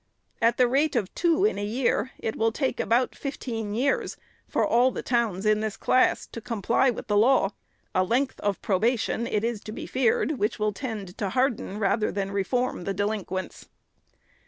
At the rate of two in a year, it will take about fifteen years for all the towns in this class to comply with the law ;— a length of probation, it is to be feared, which will tend to harden rather than reform the delinquents.